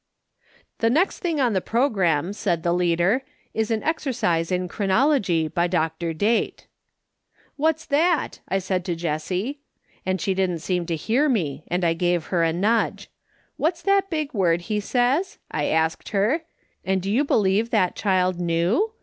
"' The next thing on the programme,' said the leader, ' is an exercise in chronology, by Dr. Date.' *'* What's that V I said to Jessie, and she didn't A SUNDAY SCHOOL CONVENTION. 25 Seem to hear me, and I gave her a nudge. ' What's that big word he says V I asked her, and do you be lieve that child knew